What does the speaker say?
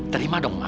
terima dong ma